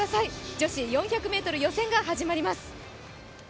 女子４００ｍ予選が始まります。